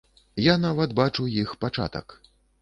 Я нават бачу іх пачатак.